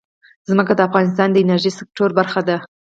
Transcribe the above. ځمکه د افغانستان د انرژۍ سکتور برخه ده.